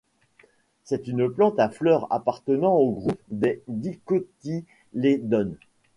C’est une plante à fleur, appartenant au groupe des dicotylédones.